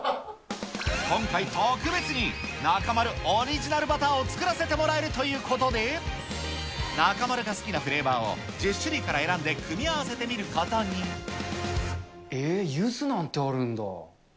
今回、特別に中丸オリジナルバターを作らせてもらえるということで、中丸が好きなフレーバーを１０種類から選んで組み合わせてみるこえー、ゆずなんてあるんだ。